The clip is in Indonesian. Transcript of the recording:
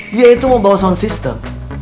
dia itu mau bawa sound system